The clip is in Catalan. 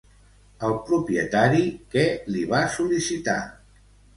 El propietari, què li va sol·licitar?